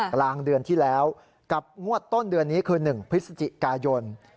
กลางเดือนที่แล้วกับงวดต้นเดือนนี้คือ๑พฤศจิกายน